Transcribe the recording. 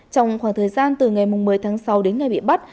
trong khoảng thời gian từ ngày một mươi tháng sáu đến ngày bị bắt